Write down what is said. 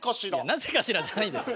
なぜかしらじゃないんです。